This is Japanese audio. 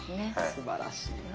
すばらしいなぁ。